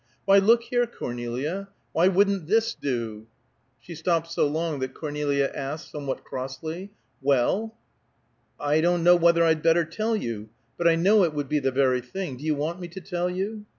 "Why, look here, Cornelia! Why wouldn't this do?" She stopped so long that Cornelia asked, somewhat crossly, "Well?" "I don't know whether I'd better tell you. But I know it would be the very thing. Do you want me to tell you?"